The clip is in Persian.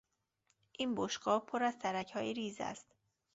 این بشقاب پر از ترکهای ریز است.